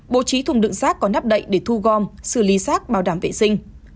bộ trí thùng đựng xác có nắp đậy để thu gom xử lý xác bảo đảm vệ sinh